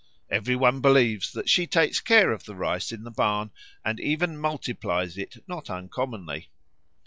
Every one believes that she takes care of the rice in the barn and even multiplies it not uncommonly.